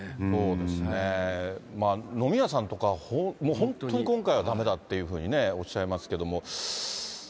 そうですね、飲み屋さんとかもう本当に今回はだめだっていうふうにおっしゃいますけども。